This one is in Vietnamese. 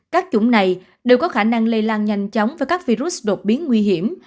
các chủng này đều có khả năng lây lan nhanh chóng với các virus đột biến nguy hiểm